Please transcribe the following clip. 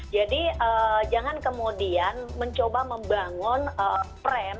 jadi jangan kemudian mencoba membangun prem